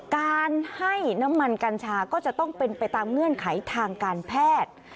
การให้น้ำมันกัญชาก็จะต้องเป็นไปตามเงื่อนไขทางการแพทย์